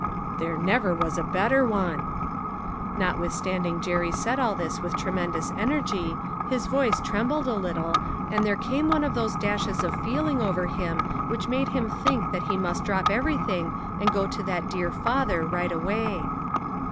" There never was a better one !" Notwithstanding Jerry said all this with tre mendous energy, his voice trembled a little, and there came one of those dashes of feeling over A GREAT UNDERTAKING. 105 him which made him think that he must drop everything and go to that dear father right away.